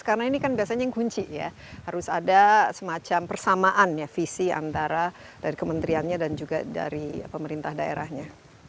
karena ini kan biasanya yang kunci ya harus ada semacam persamaan ya visi antara dari kementeriannya dan juga dari pemerintah daerahnya